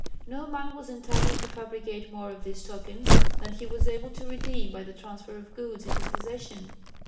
No man was entitled to fabricate more of these tokens than he was able to redeem by the transfer of goods in his possession.